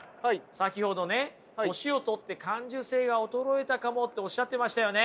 先ほどね年を取って感受性が衰えたかもっておっしゃってましたよね？